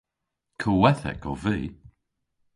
Kowethek ov vy.